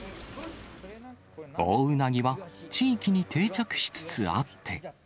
オオウナギは、地域に定着しつつあって。